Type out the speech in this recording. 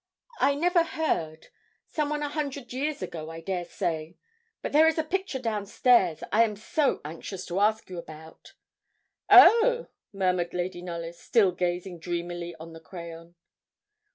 'I never heard. Some one a hundred years ago, I dare say. But there is a picture down stairs I am so anxious to ask you about!' 'Oh!' murmured Lady Knollys, still gazing dreamily on the crayon.